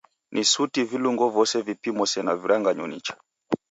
Ni suti vilungo vose vipimo sena viranganyo nicha.